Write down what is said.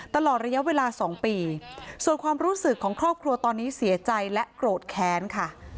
ตลอดระยะเวลา๒ปีส่วนความรู้สึกของครอบครัวตอนนี้เสียใจและโกรธแค้นค่ะ